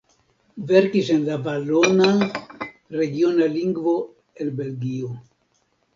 Verkis en la valona, regiona lingvo el Belgio.